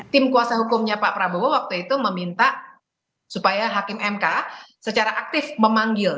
tim kuasa hukumnya pak prabowo waktu itu meminta supaya hakim mk secara aktif memanggil